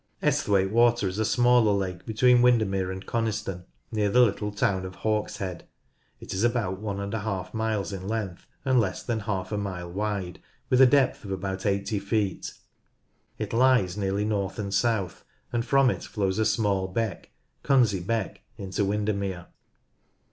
Esthwaite Water is a smaller lake between Winder mere and Coniston, near the little town of Hawkshead. It is about ii miles in length, and less than half a mile wide, with a depth of about 80 feet. It lies nearly north and south, and from it flows a small beck — Cunsey Beck — into Windermere.